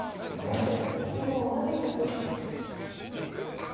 後手９五同じく歩。